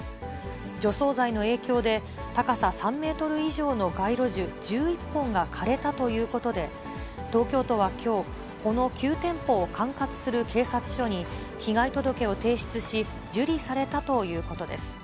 除草剤の影響で、高さ３メートル以上の街路樹１１本が枯れたということで、東京都はきょう、この９店舗を管轄する警察署に被害届を提出し、受理されたということです。